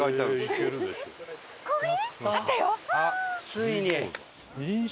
ついに！